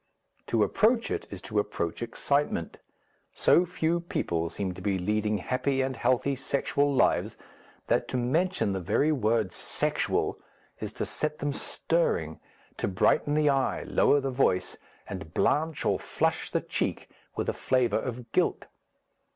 To approach it is to approach excitement. So few people seem to be leading happy and healthy sexual lives that to mention the very word "sexual" is to set them stirring, to brighten the eye, lower the voice, and blanch or flush the cheek with a flavour of guilt.